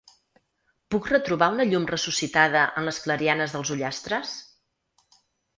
Puc retrobar una llum ressuscitada en les clarianes dels ullastres?